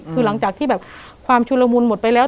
คือหลังจากที่แบบความชุลมุนหมดไปแล้ว